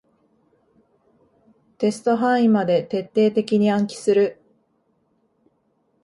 テスト範囲まで徹底的に暗記する